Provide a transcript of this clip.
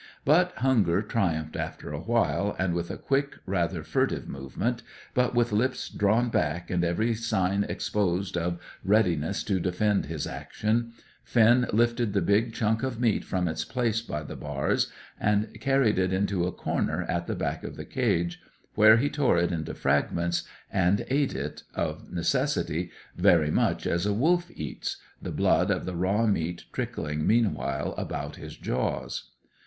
But hunger triumphed after a while, and with a quick, rather furtive movement, but with lips drawn back and every sign exposed of readiness to defend his action, Finn lifted the big chunk of meat from its place by the bars, and carried it into a corner at the back of the cage, where he tore it into fragments, and ate it, of necessity, very much as a wolf eats, the blood of the raw meat trickling meanwhile about his jaws.